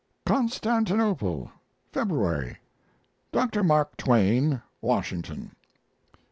CONSTANTINOPLE, February. DR. MARK TWAIN, Washington.